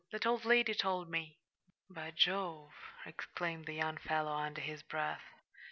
That old lady told me." "By Jove!" exclaimed the young fellow, under his breath.